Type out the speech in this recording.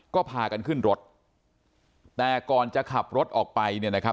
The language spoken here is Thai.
ก็พากันขึ้นรถแต่ก่อนจะขับรถออกไปเนี่ยนะครับ